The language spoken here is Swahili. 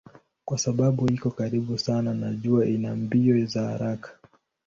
Kwa sababu iko karibu sana na jua ina mbio za haraka.